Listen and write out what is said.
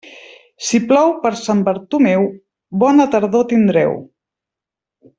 Si plou per Sant Bartomeu, bona tardor tindreu.